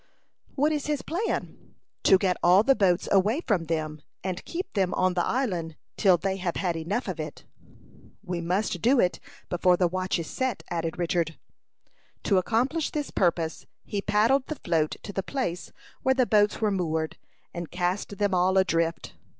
"What is his plan?" "To get all the boats away from them, and keep them on the island till they have had enough of it." "We must do it before the watch is set," added Richard. To accomplish this purpose, he paddled the float to the place where the boats were moored, and cast them all adrift.